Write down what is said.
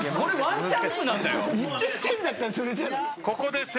ここで。